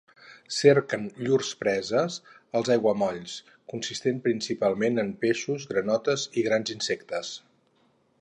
Cerquen llurs preses als aiguamolls, consistents principalment en peixos, granotes i grans insectes.